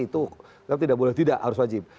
itu kan tidak boleh tidak harus wajib